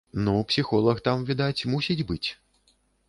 Ну, псіхолаг там, відаць, мусіць быць.